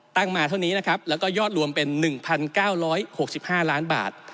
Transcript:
๖๒ตั้งมาเท่านี้ครับแล้วก็ยอดรวมเป็น๑๙๖๕๐๐๐๐๐บาท